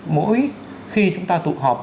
mỗi khi chúng ta tụ họp